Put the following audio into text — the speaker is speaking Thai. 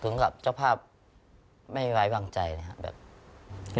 ตกเองกับเจ้าภาพไม่ไว้บางใจโอเคค่ะ